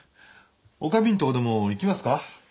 女将んとこでも行きますか？